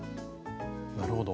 なるほど。